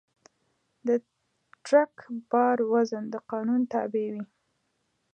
د ټرک بار وزن د قانون تابع وي.